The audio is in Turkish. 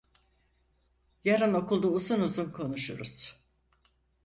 Yarın okulda uzun uzun konuşuruz.